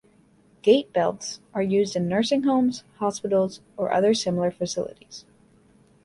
Gait belts are used in nursing homes, hospitals, or other similar facilities.